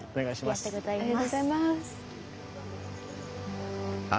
ありがとうございます。